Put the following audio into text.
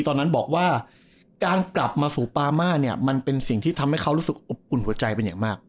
ตอนนั้นบอกว่าการกลับมาสู่ปามาเนี่ยมันเป็นสิ่งที่ทำให้เขารู้สึกอบอุ่นหัวใจเป็นอย่างมาก